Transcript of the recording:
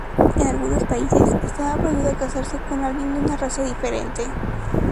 En algunos países, estaba prohibido casarse con alguien de una raza diferente.